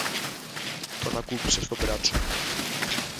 τον ακούμπησε στο μπράτσο